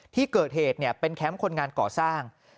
ที่เกิดเหตุเป็นแคมป์คนงานก่อสร้าง